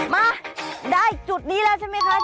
มาได้จุดนี้แล้วใช่ไหมคะ